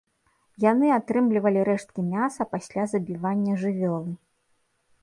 Яны атрымлівалі рэшткі мяса пасля забівання жывёлы.